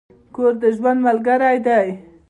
کور د ژوند ملګری دی.